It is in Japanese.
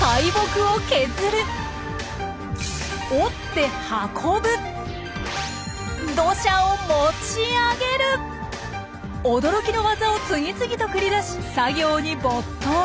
大木を折って土砂を驚きのワザを次々と繰り出し作業に没頭。